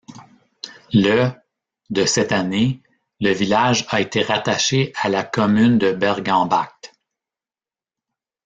Le de cette année, le village a été rattaché à la commune de Bergambacht.